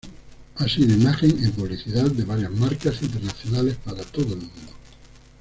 Ha sido imagen en publicidad de varias marcas internacionales para todo el mundo.